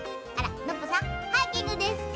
ノッポさんハイキングですか？